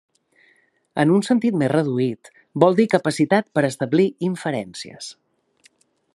En un sentit més reduït, vol dir capacitat per a establir inferències.